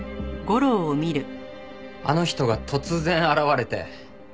あの人が突然現れて。